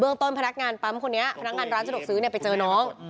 ต้นพนักงานปั๊มคนนี้พนักงานร้านสะดวกซื้อไปเจอน้อง